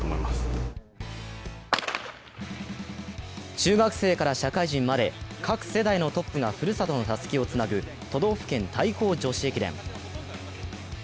中学生から社会人まで各世代のトップがふるさとのたすきをつなぐ都道府県対抗女子駅伝。